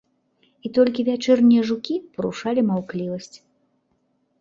І толькі вячэрнія жукі парушалі маўклівасць.